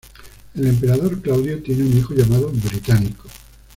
El emperador Claudio tiene un hijo llamado Británico.